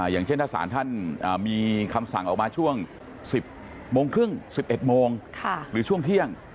อย่างเช่นถ้าสารท่านมีคำสั่งออกมาช่วง๑๐๓๐นหรือช่วงเที่ยง